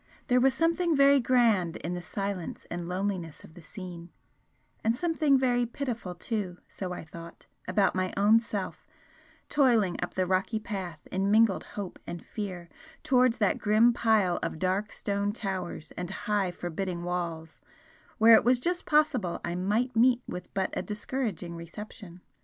There was something very grand in the silence and loneliness of the scene, and something very pitiful too, so I thought, about my own self, toiling up the rocky path in mingled hope and fear towards that grim pile of dark stone towers and high forbidding walls, where it was just possible I might meet with but a discouraging reception.